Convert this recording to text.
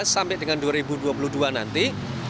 sampai dengan dua ribu dua puluh dua nanti